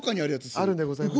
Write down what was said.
「あるんでございます」。